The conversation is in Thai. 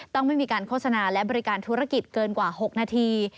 ต้องไม่มีการโฆษณาและบริการธุรกิจเกินกว่า๖นาที